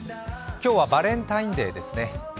今日はバレンタインデーですね。